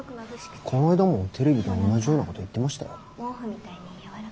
こないだもテレビで同じようなこと言ってましたよ。